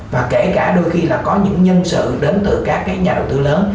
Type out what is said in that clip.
và kể cả đôi khi là có những nhân sự đến từ các cái nhà đầu tư lớn